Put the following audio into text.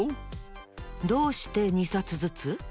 どうして２さつずつ？